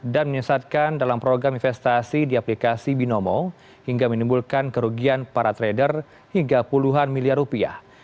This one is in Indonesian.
dan menyesatkan dalam program investasi di aplikasi binomo hingga menimbulkan kerugian para trader hingga puluhan miliar rupiah